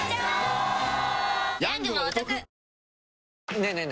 ねえねえ